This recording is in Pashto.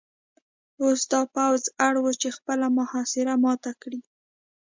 اوس دا پوځ اړ و چې خپله محاصره ماته کړي